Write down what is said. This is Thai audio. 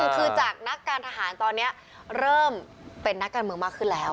คือจากนักการทหารตอนนี้เริ่มเป็นนักการเมืองมากขึ้นแล้ว